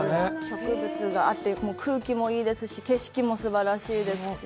植物があって、空気もいいですし、景色もすばらしいですし。